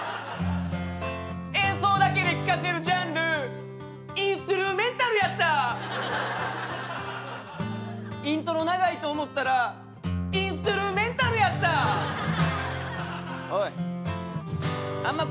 演奏だけで聴かせるジャンルインストゥルメンタルやったイントロ長いと思ったらインストゥルメンタルやったおいあんま